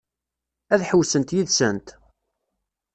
Ad ḥewwsent yid-sent?